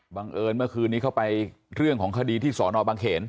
เอิญเมื่อคืนนี้เข้าไปเรื่องของคดีที่สอนอบังเขน